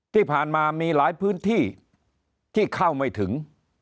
ที่ผ่านมามีหลายพื้นที่ที่เข้าไม่ถึง